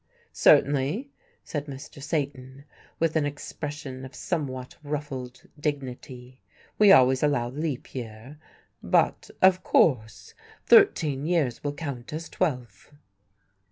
"Certainly," said Mr. Satan, with an expression of somewhat ruffled dignity, "we always allow leap year, but, of course, thirteen years will count as twelve."